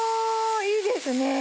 いいですね。